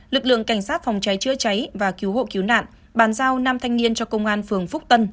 lực lượng cảnh sát phòng cháy chữa cháy và cứu hộ cứu nạn bàn giao năm thanh niên cho công an phường phúc tân